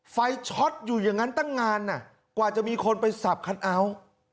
ไฟล์ช็อตอยู่อย่างงั้นตั้งงานน่ะกว่าจะมีคนไปสับคัดเอ้า